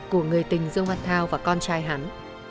của người tình dương văn thao và con trai hắn